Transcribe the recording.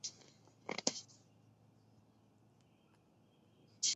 三裂茶藨子为虎耳草科茶藨子属下的一个变种。